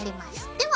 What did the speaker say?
では